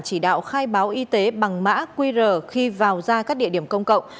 chỉ đạo khai báo y tế bằng mã qr khi vào ra các địa điểm công cộng